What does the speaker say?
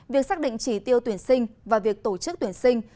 việc xác định chỉ tiêu tuyển sinh và việc tổ chức tuyển sinh